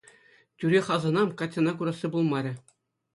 Тӳрех асӑнам, Катьӑна курасси пулмарӗ.